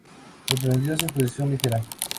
sorprendió su exposición ligera